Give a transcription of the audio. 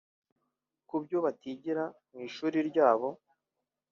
kubyo batigira mu ishuri ryabo